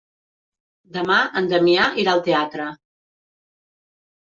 Demà en Damià irà al teatre.